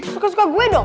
suka suka gue dong